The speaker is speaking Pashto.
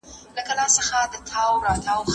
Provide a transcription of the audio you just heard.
د میراثي پاچاهۍ په اړه د هغه نظر څه و؟